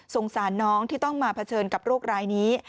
สารน้องที่ต้องมาเผชิญกับโรครายนี้